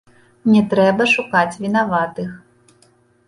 Не трэба шукаць вінаватых.